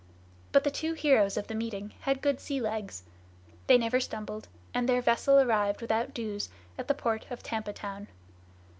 But the two heros of the meeting had good sea legs. They never stumbled; and their vessel arrived without dues at the port of Tampa Town.